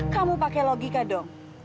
kamu pakai logika dong